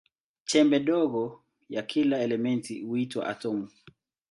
Chembe ndogo ya kila elementi huitwa atomu.